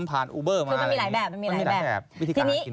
ป่านอูเบอร์มาคือมันมีหลายแบบ